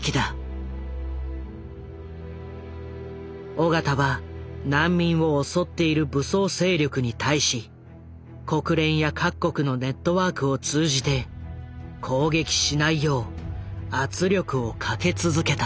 緒方は難民を襲っている武装勢力に対し国連や各国のネットワークを通じて攻撃しないよう圧力をかけ続けた。